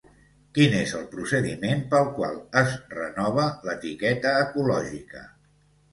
Quin és el procediment pel qual es renova l'etiqueta ecològica?